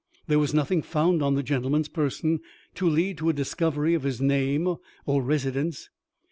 There was nothing found on the gentleman's person to lead to a discovery of his name or residence.